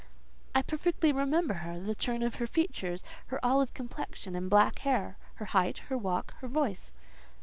"I perfectly remembered her; the turn of her features, her olive complexion, and black hair, her height, her walk, her voice."